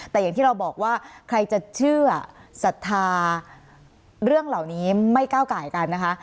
แต่อย่างที่เราบอกว่าใครจะเชื่อศรัทธาเรื่องเหล่านี้ไม่ก้าวไก่กันนะคะ